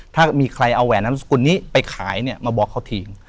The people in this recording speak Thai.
ถ้ามีใครเอาแหวนนามสกุลนี้ไปขายเนี่ยมาบอกเขาทิ้ง